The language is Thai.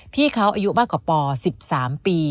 พี่เขาอายุมากกว่าป๑๓ปี